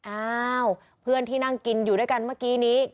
อ้าวเพื่อนที่นั่งกินอยู่ด้วยกันเมื่อกี้นี้